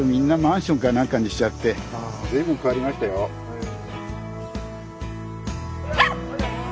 へえ。